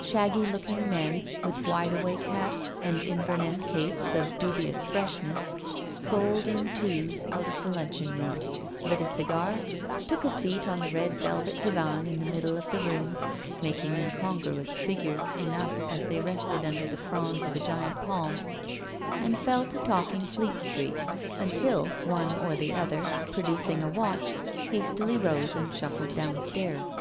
Shaggy looking men, with wide awake hats atid Inverness capes of dubious freshness, strolled in twos out of the luncheon room, lit a cigar, took a seat on the red velvet divan in the middle of the room, making incongruous figures enough as they rested under the fronds of a giant palm, and fell to talking Fleet Street, until one or the other, producing a watch, hastily rose and shuffled downstairs.